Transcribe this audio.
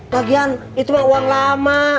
lagian itu mah uang lama